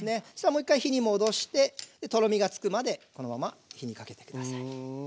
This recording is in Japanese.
もう一回火に戻してとろみがつくまでこのまま火にかけて下さい。